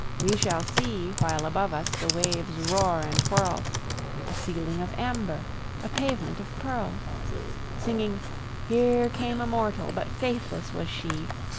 We shall see, while above us The waves roar and whirl, A ceiling of amber, A pavement of pearl. Singing: "Here came a mortal, But faithless was she!